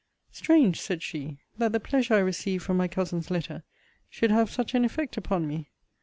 Strange, said she, that the pleasure I received from my cousin's letter should have such an effect upon me!